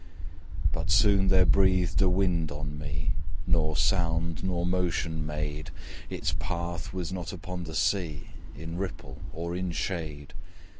But soon there breathed a wind on me, Nor sound nor motion made: Its path was not upon the sea, In ripple or in shade.